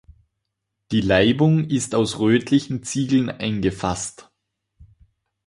Die Laibung ist aus rötlichen Ziegeln eingefasst.